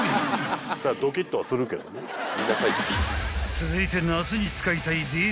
［続いて］